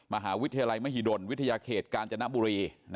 มหาวิทยาลัยมหิดลวิทยาเขตกาญจนบุรี